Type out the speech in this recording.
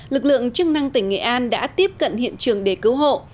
lực lượng chức năng tỉnh nghệ an đã tiếp cận hiện trường để cứu hộ